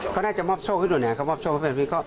เขาน่าจะมอบโชคให้ดูนะค่ะเขามอบโชค